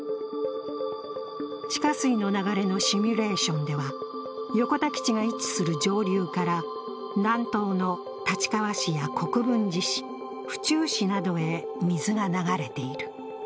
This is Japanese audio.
地下水の流れのシミュレーションでは、横田基地が位置する上流から南東の立川市や国分寺市、府中市などへ水が流れている。